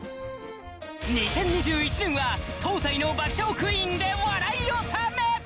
２０２１年は東西の爆笑クイーンで笑い納め！